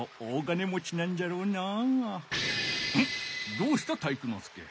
どうした体育ノ介。